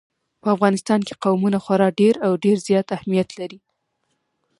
په افغانستان کې قومونه خورا ډېر او ډېر زیات اهمیت لري.